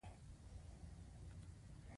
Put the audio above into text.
د دوی لویه برخه مخ په بیوزلۍ روانه وه.